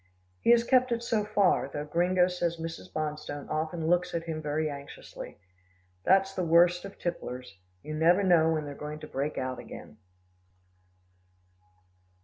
He has kept it so far, though Gringo says Mrs. Bonstone often looks at him very anxiously. That's the worst of tipplers. You never know when they're going to break out again.